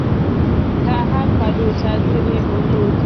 Ka ha kwàdóchazịrị ọnọdụ